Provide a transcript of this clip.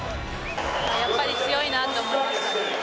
やっぱり強いなと思いました。